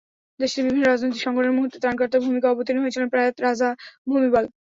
দেশটির বিভিন্ন রাজনৈতিক সংকটের মুহূর্তে ত্রাণকর্তার ভূমিকায় অবতীর্ণ হয়েছিলেন প্রয়াত রাজা ভুমিবল।